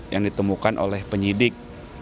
yang ditemukan oleh penyidik